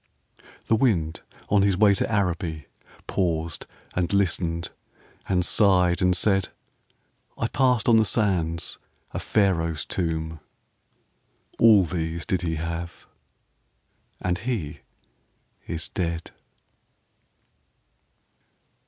The wind on his way To Araby Paused and listened and sighed and said, "I passed on the sands A Pharaoh's tomb: All these did he have and he is dead."